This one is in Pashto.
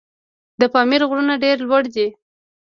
د پامیر غرونه ډېر لوړ دي.